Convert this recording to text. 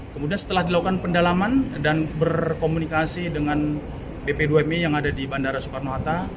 kemudian setelah dilakukan pendalaman dan berkomunikasi dengan pp dua mi yang ada di bandara soekarno hatta